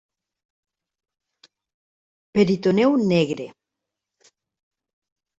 Peritoneu negre.